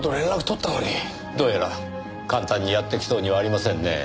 どうやら簡単にやって来そうにはありませんね。